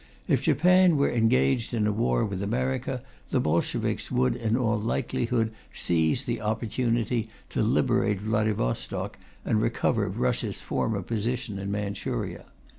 If Japan were engaged in a war with America, the Bolsheviks would in all likelihood seize the opportunity to liberate Vladivostok and recover Russia's former position in Manchuria.